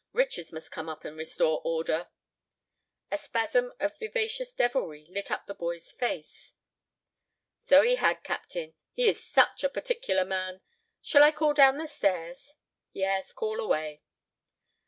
Richards must come up and restore order." A spasm of vivacious devilry lit up the boy's face. "So he had, captain. He is such a particular man! Shall I call down the stairs?" "Yes, call away."